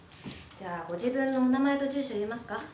じゃあご自分のお名前と住所言えますか？